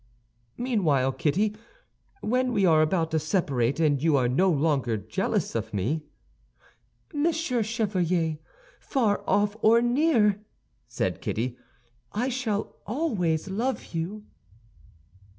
"Meanwhile, Kitty, when we are about to separate, and you are no longer jealous of me—" "Monsieur Chevalier, far off or near," said Kitty, "I shall always love you."